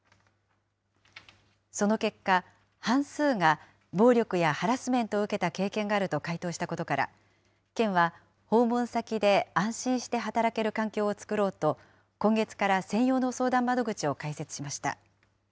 その結果、半数が暴力やハラスメントを受けた経験があると回答したことから、県は訪問先で安心して働ける環境を作ろうと、今月から専用の相談窓口を開設しました。